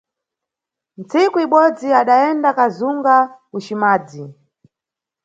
Ntsiku ibodzi adayenda kazunga ku Cimadzi.